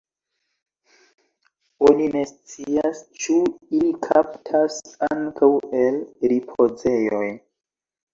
Oni ne scias ĉu ili kaptas ankaŭ el ripozejoj.